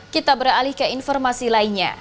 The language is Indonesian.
kita beralih ke informasi lainnya